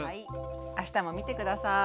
あしたも見て下さい。